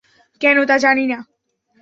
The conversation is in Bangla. কেন তা জানিনা।